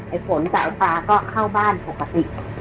ฝนกับไอ้ปลาก็เข้าบ้านปกติ